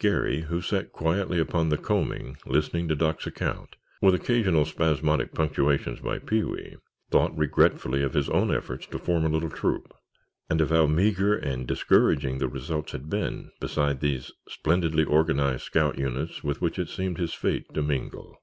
Garry, who sat quietly upon the combing listening to Doc's account, with occasional spasmodic punctuations by Pee wee, thought regretfully of his own efforts to form a little troop, and of how meagre and discouraging the results had been beside these splendidly organized scout units with which it seemed his fate to mingle.